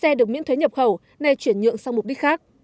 xe được miễn thuế nhập khẩu nay chuyển nhượng sang mục đích khác